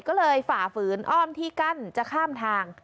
ก็เลยฝ่าฝืนอ้อมที่กั้นจะข้ามทาง